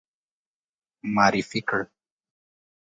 معرفي کړ.